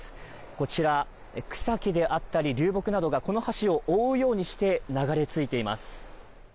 こちらへ草木であったり流木などがこの橋を追うようにして、流れ着いています。